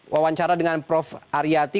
wawancara dengan prof aryati